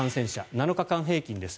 ７日間平均です。